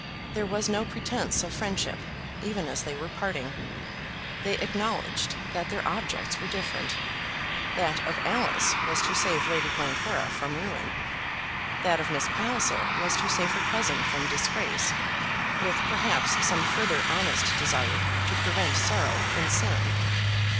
There was no pretence of friendship, even as they were parting. They acknowledged that their objects were different. That of Alice was to save Lady Glencora from ruin. That of Miss Palliser was to save her cousin from disgrace, with perhaps some further honest desire to prevent sorrow and sin.